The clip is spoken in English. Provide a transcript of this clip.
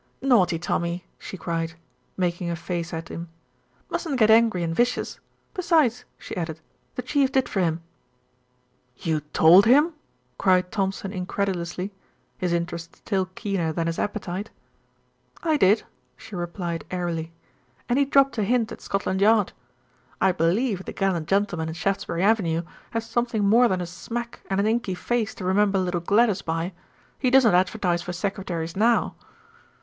"Naughty Tommy," she cried, making a face at them, "Mustn't get angry and vicious. Besides," she added, "the Chief did for him." "You told him?" cried Thompson incredulously, his interest still keener than his appetite. "I did," she replied airily, "and he dropped a hint at Scotland Yard. I believe the gallant gentleman in Shaftesbury Avenue has something more than a smack and an inky face to remember little Gladys by. He doesn't advertise for secretaries now."